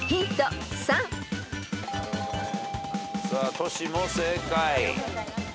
トシも正解。